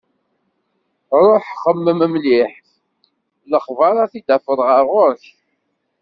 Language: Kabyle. Ruḥ! Xemmem mliḥ, lexbar ad t-id-afeɣ ɣer ɣur-k.